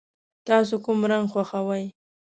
تاسو کوم رنګ خوښوئ؟